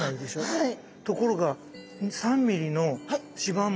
はい。